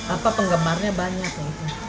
apa penggemarnya banyak ya